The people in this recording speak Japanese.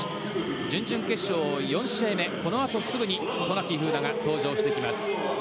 準々決勝４試合目このあとすぐに渡名喜が登場してきます。